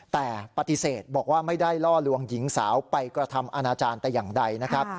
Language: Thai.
แต่ปฏิเสธบอกว่าไม่ได้ล่อลวงหญิงสาวไปกระทำอาณาจารย์แต่อย่างใดนะครับ